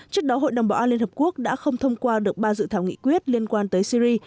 trước đó hội đồng bảo an liên hợp quốc đã không thông qua được ba dự thảo nghị quyết liên quan tới syri